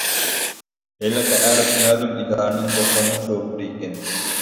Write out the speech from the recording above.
ھېلىقى ئەر مەلۇم ئىدارىنىڭ توختاملىق شوپۇرى ئىكەن.